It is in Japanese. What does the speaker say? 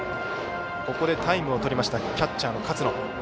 ここでタイムをとったキャッチャーの勝野。